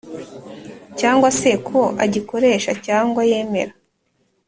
Cyangwa se ko agikoresha cyangwa yemera